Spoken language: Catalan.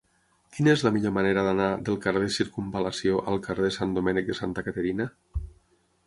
Quina és la millor manera d'anar del carrer de Circumval·lació al carrer de Sant Domènec de Santa Caterina?